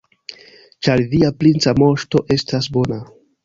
Ĉar via princa moŝto estas bona.